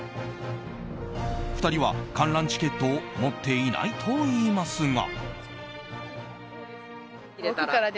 ２人は、観覧チケットを持っていないといいますが。